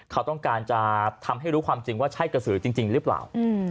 เขาต้องการจะทำให้รู้ความจริงว่าใช่กระสือจริงหรือเปล่า